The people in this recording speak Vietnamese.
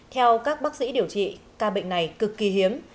theo các bác sĩ điều trị ca bệnh này cực kỳ hiếm